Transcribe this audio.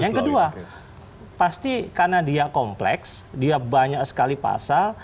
yang kedua pasti karena dia kompleks dia banyak sekali pasal